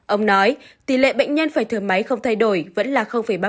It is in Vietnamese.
ông nói tỷ lệ bệnh nhân phải thở máy không thay đổi vẫn là ba